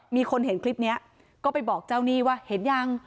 มีคนเห็นคลิปนี้ก็ไปบอกเจ้าหนี้ว่าเห็นยัง